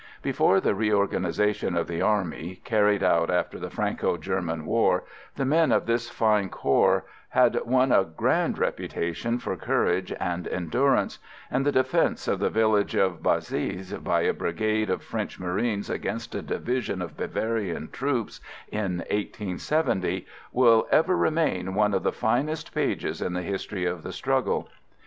Before the reorganisation of the army, carried out after the Franco German War, the men of this fine corps had won a grand reputation for courage and endurance, and the defence of the village of Bazeilles by a brigade of French marines against a division of Bavarian troops, in 1870, will ever remain one of the finest pages in the history of the struggle.